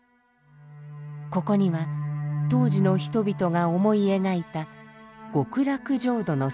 ここには当時の人々が思い描いた極楽浄土の姿が表されています。